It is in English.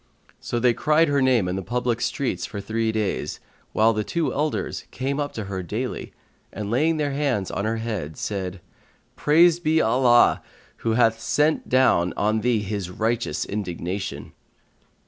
So they cried her name in the public streets for three days, while the two elders came up to her daily and, laying their hands on her head, said, "Praised be Allah who hath sent down on thee His righteous indignation!"